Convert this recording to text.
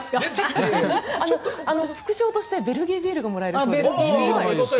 副賞としてベルギービールがもらえるそうです。